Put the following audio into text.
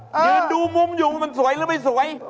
ยืนดูมุมอยู่ว่ามันสวยหรือไม่สวย